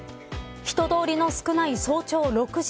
人通りの少ない早朝６時。